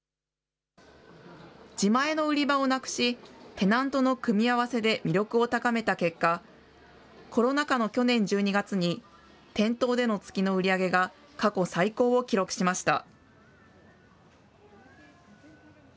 自前の売り場をなくし、テナントの組み合わせで魅力を高めた結果、コロナ禍の去年１２月に、店頭での月の売り上げが過去最高を記録しました。